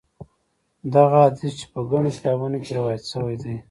دغه حدیث چې په ګڼو کتابونو کې روایت شوی دی.